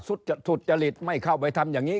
สุจริตไม่เข้าไปทำอย่างนี้